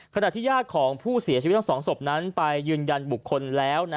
ขณะที่ญาติของผู้เสียชีวิตทั้งสองศพนั้นไปยืนยันบุคคลแล้ว